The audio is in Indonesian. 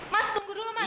mas tunggu dulu mas